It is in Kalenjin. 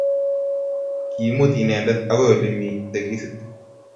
ki imut inendet akoi ole mi tekisit